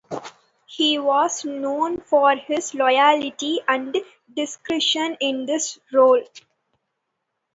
He was known for his loyalty and discretion in this role.